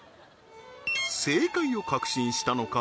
正解を確信したのか？